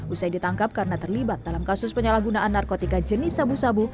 usai ditangkap karena terlibat dalam kasus penyalahgunaan narkotika jenis sabu sabu